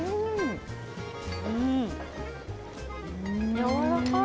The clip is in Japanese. やわらかい。